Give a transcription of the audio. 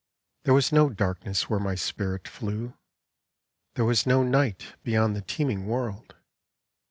There was no darkness where my spirit flew, There was no night beyond the teeming world.